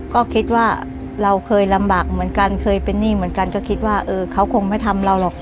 ก็คิดว่าเราเคยลำบากเหมือนกันเคยเป็นหนี้เหมือนกันก็คิดว่าเออเขาคงไม่ทำเราหรอก